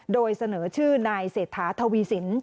โดยเสนอชื่อนายเศรษฐาทวีสิน